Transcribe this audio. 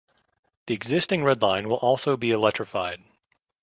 The existing red line will also be electrified.